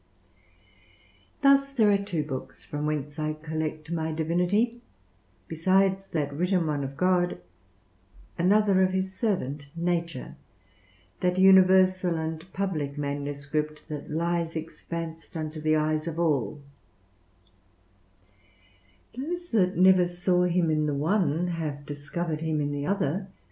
Thus there are two books from whence I collect my divinity: besides that written one of God, another of his servant nature, that universal and public manuscript that lies expansed unto the eyes of all; those that never saw him in the one have discovered him in the other.